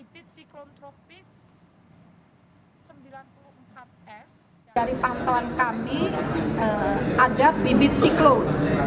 dari pantauan kami ada bibit siklon